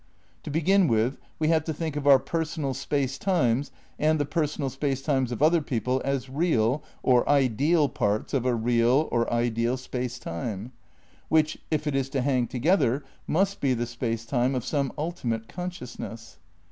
To begin with we have to think of our personal space times and the personal space times of other people as "real" (or ideal) parts of a "real" (or ideal) space time, which, if it is to hang together, must be the Space Time of some ultimate consciousness.